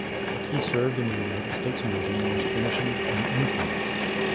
He served in the United States Navy and was commissioned an ensign.